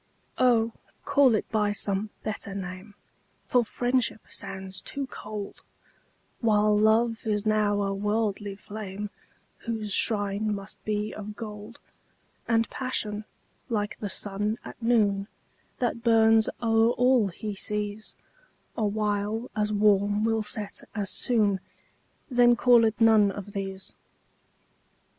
Oh, call it by some better name, For Friendship sounds too cold, While Love is now a worldly flame, Whose shrine must be of gold: And Passion, like the sun at noon, That burns o'er all he sees, Awhile as warm will set as soon Then call it none of these.